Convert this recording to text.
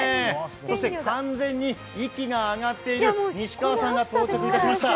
そして完全に息が上がっている西川さんが到着いたしました。